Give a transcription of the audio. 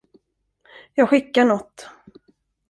Jag skickar nåt.